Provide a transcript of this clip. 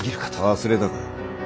忘れたか？